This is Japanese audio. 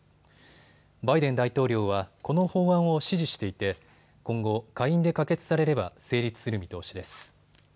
バイデン大統領はこの法案を支持していて今後、下院で可決されれば成立する見通しです。